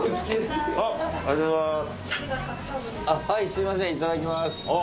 すいませんいただきます。